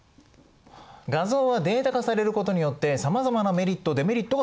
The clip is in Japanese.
画像はデータ化されることによってさまざまなメリットデメリットが生じます。